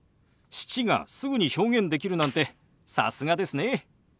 「７」がすぐに表現できるなんてさすがですね。